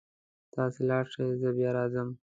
تاسې لاړ شئ زه بیا راځمه